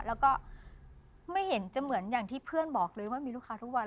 แล้วก็ไม่เห็นจะเหมือนอย่างที่เพื่อนบอกเลยว่ามีลูกค้าทุกวัน